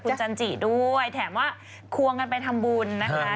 คุณจันจิด้วยแถมว่าควงกันไปทำบุญนะคะ